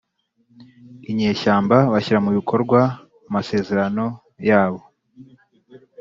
inyeshyamba bashyira mu bikorwa amasezerano yabo.